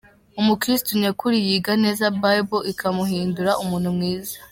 Umukristu nyakuri, yiga neza Bible ikamuhindura umuntu mwiza.